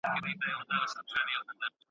په امریکا کې د خطي نسخو لپاره لابراتوارونه سته.